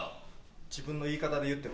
自分の言い方で言っても？